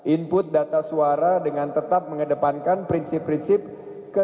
input data suara dengan tetap mengedepankan prinsipnya